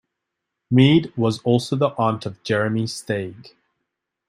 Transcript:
Mead was also the aunt of Jeremy Steig.